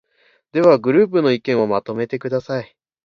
では、グループの意見をまとめてください。